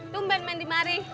tunggu main di mari